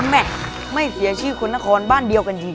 แม่ไม่เสียชื่อคนนครบ้านเดียวกันจริง